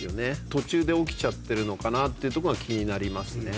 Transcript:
途中で起きちゃってるのかなっていうとこが気になりますね。